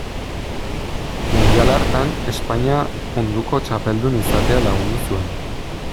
Mundial hartan, Espainia munduko txapeldun izatea lagundu zuen.